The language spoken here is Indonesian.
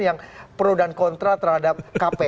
yang pro dan kontra terhadap kpu